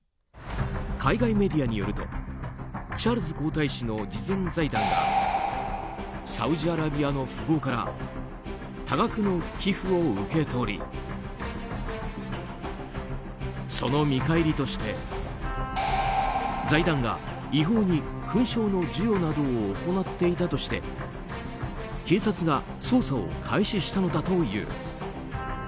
海外メディアによるとチャールズ皇太子の慈善財団がサウジアラビアの富豪から多額の寄付を受け取りその見返りとして、財団が違法に勲章の授与などを行っていたとして警察が捜査を開始したのだという。